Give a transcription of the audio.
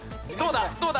どうだ？